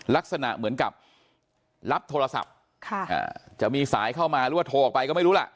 ลักษณะเหมือนกับรับโทรศัพท์จะมีสายเข้ามาหรือว่าโทรออกไปก็ไม่รู้ล่ะ